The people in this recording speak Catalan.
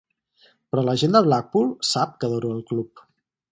Però la gent de Blackpool sap que adoro el club.